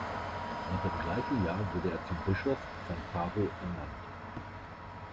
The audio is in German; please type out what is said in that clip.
Noch im gleichen Jahr wurde er zum Bischof von Faro ernannt.